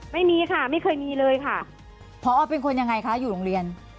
ไม่มีค่ะไม่เคยมีเลยค่ะพอเป็นคนยังไงคะอยู่โรงเรียน